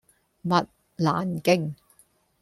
麥蘭徑